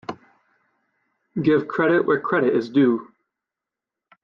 Give credit where credit is due.